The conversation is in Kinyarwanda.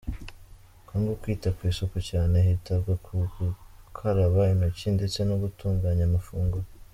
Congo kwita ku isuku cyane, hitabwa ku gukaraba intoki ndetse no gutunganya amafunguro.